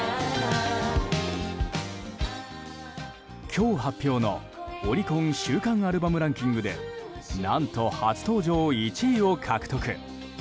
今日発表のオリコン週間アルバムランキングで何と初登場１位を獲得。